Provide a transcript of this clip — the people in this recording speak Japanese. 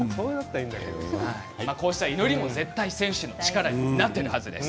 こうした祈りも絶対選手の力になっているはずです。